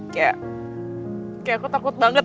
kayak aku takut banget